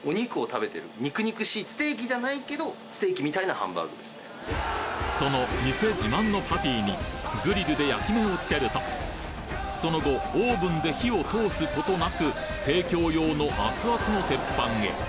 ハンバーグはその店自慢のパティにグリルで焼き目をつけるとその後オーブンで火を通すことなく提供用の熱々の鉄板へ